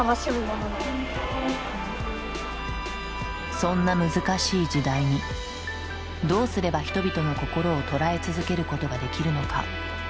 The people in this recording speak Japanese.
そんな難しい時代にどうすれば人々の心を捉え続けることができるのか。